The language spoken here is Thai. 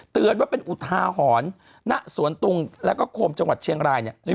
เตือนว่าเป็นอุทาหรณ์ณสวนตุงแล้วก็โคมจังหวัดเชียงรายเนี่ย